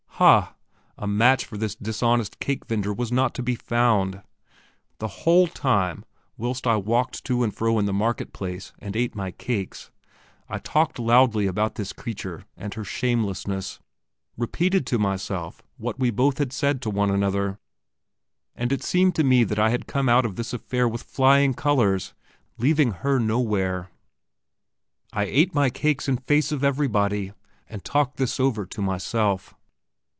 Ha! a match for this dishonest cake vendor was not to be found. The whole time, whilst I walked to and fro in the market place and ate my cakes, I talked loudly about this creature and her shamelessness, repeated to myself what we both had said to one another, and it seemed to me that I had come out of this affair with flying colours, leaving her nowhere. I ate my cakes in face of everybody and talked this over to myself.